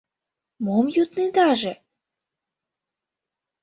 — Мом йоднедаже?..